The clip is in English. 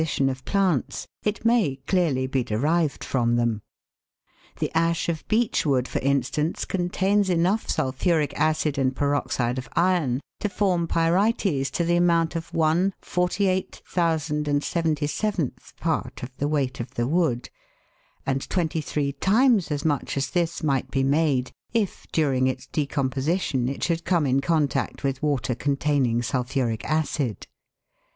tion of plants, it may clearly be derived from them. The ash of beech wood, for instance, contains enough sulphuric acid and peroxide of iron to form pyrites to the amount of ^siyyyth of the weight of the wood ; and twenty three times as much as this might be made if during its de composition it should come in contact with water containing sulphuric acid.